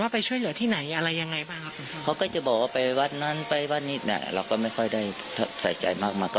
ไปบ้านนี้เราก็ไม่ค่อยได้ใส่ใจมากมาก